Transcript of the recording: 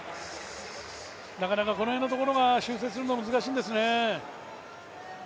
なかなかこの辺のところが修正するのが難しいんですよね。